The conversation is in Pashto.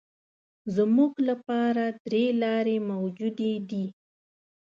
زموږ لپاره درې لارې موجودې دي.